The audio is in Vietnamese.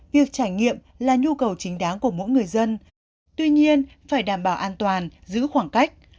việc trải nghiệm là nhu cầu chính đáng của mỗi người dân tuy nhiên phải đảm bảo an toàn giữ khoảng cách